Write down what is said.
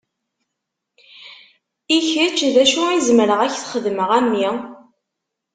I kečč, d acu i zemreɣ ad k-t-xedmeɣ, a mmi?